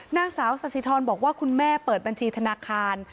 นางสาวสสิทรบอกว่าคุณแม่เปิดบัญชีธนาคาร